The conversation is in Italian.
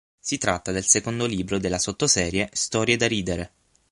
Si tratta del secondo libro della sotto-serie "Storie da ridere".